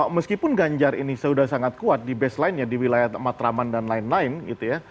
meskipun ganjar ini sudah sangat kuat di baseline nya di wilayah matraman dan lain lain gitu ya